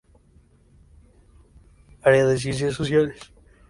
Área de Ciencias Sociales.